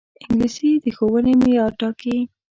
انګلیسي د ښوونې معیار ټاکي